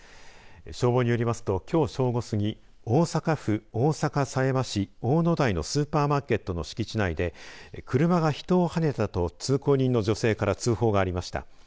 消防によりますときょう正午過ぎ大阪府大阪狭山市おおのだいのスーパーマーケットの敷地内で車が人をはねたと通行人の女性から通報がありました。